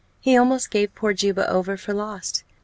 He almost gave poor Juba over for lost.